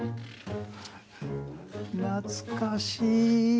懐かしい！